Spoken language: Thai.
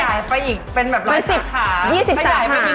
ค่อยไปอีกเป็นแบบ๒๐สาขา